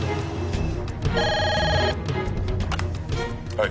はい。